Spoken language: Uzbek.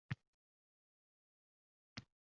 Uchinchidan, amaliyotni rivojlantirish uchun.